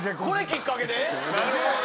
これきっかけで？